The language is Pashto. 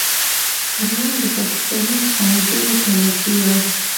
پر لاره د پاکستاني فوجيانو تلاشي وه.